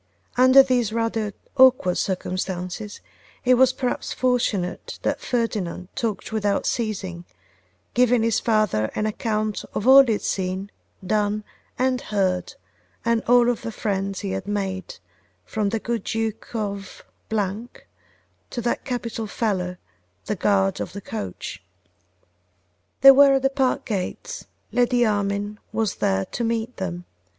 Under these rather awkward circumstances, it was perhaps fortunate that Ferdinand talked without ceasing, giving his father an account of all he had seen, done, and heard, and of all the friends he had made, from the good Duke of to that capital fellow, the guard of the coach. They were at the park gates: Lady Armine was there to meet them.